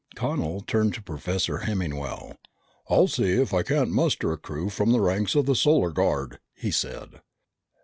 Connel turned to Professor Hemmingwell. "I'll see if I can't muster a crew from the ranks of the Solar Guard," he said.